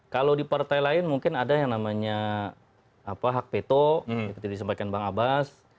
kalau di partai lain mungkin ada yang namanya hak peto seperti disampaikan bang abbas